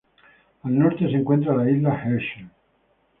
Al norte se encuentra la isla Hershel.